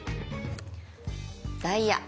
ダイヤ。